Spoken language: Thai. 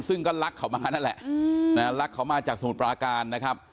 ซึ่งก็รักเขามานั่นแหละรักเขามาจากสมุทรปราการนะครับ